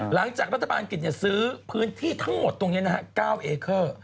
หลังจากรัฐบาลอังกฤษซื้อพื้นที่ทั้งหมดตรงนี้นะฮะ๙เอเคอร์